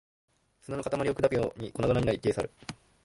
砂の塊を砕くように粉々になり、消え去る